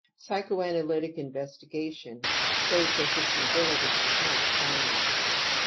} Psychoanalytic investigation shows that this no bility is not primary.